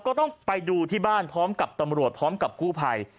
ก็ต้องไปดูที่บ้านพร้อมกับตำรวจพร้อมกับกู้ภัย